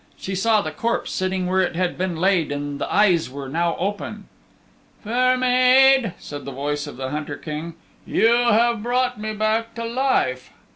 She saw the corpse sitting where it had been laid and the eyes were now open. "Fair Maid," said the voice of the Hunter King, "you have brought me back to life.